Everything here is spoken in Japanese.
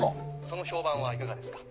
その評判はいかがですか。